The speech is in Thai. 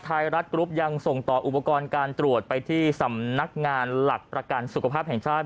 ไทยรัฐกรุ๊ปยังส่งต่ออุปกรณ์การตรวจไปที่สำนักงานหลักประกันสุขภาพแห่งชาติ